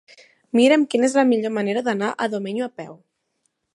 Mira'm quina és la millor manera d'anar a Domenyo a peu.